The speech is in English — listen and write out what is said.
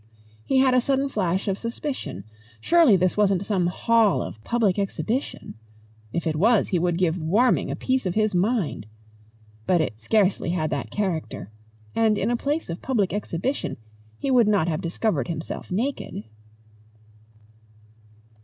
He had a sudden flash of suspicion! Surely this wasn't some hall of public exhibition! If it was he would give Warming a piece of his mind. But it scarcely had that character. And in a place of public exhibition he would not have discovered himself naked.